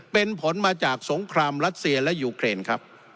เป็นผลมาจากสงครามรัสเซียและยูเครนครับ